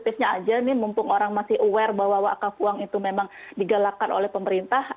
ini aja nih mumpung orang masih aware bahwa wakaf uang itu memang digalakkan oleh pemerintah